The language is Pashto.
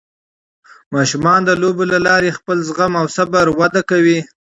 ماشومان د لوبو له لارې خپل زغم او صبر وده کوي.